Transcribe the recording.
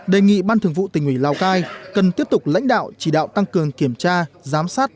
đề nghị ban thường vụ tỉnh ủy lào cai cần tiếp tục lãnh đạo chỉ đạo tăng cường kiểm tra giám sát